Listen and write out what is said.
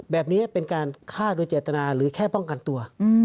แบบนี้เป็นการฆ่าโดยเจตนาหรือแค่ป้องกันตัว